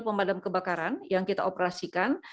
pemadam kebakaran yang kita operasikan